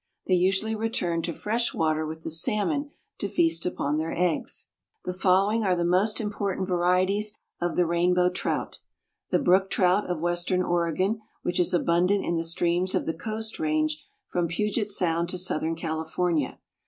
They usually return to fresh water with the salmon to feast upon their eggs. The following are the most important varieties of the Rainbow Trout: The Brook Trout of Western Oregon, which is abundant in the streams of the Coast Range from Puget Sound to Southern California.